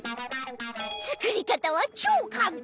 作り方は超簡単！